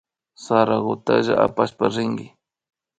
Sarakutalla apashpa rinki